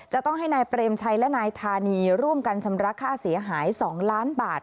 จะต้องให้นายเปรมชัยและนายธานีร่วมกันชำระค่าเสียหาย๒ล้านบาท